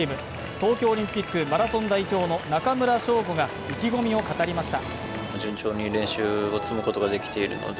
東京オリンピックマラソン代表の中村匠吾が意気込みを語りました。